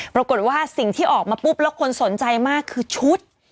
ปรากฏว่าสิ่งที่ออกมาปุ๊บแล้วคนสนใจมากคือชุด